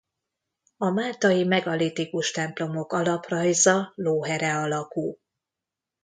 A máltai megalitikus templomok alaprajza lóhere alakú.